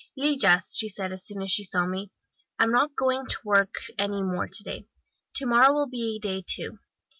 "'Lillas,' she said, as soon as she saw me. 'I'm not going to work any more to day. To morrow will be a day, too.